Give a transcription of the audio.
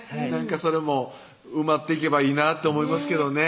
それも埋まっていけばいいなって思いますけどね